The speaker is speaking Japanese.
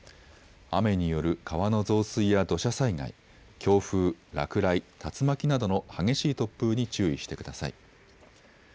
雨による川の増水や土砂災害、強風、落雷、竜巻などの激しい突風に注意してください。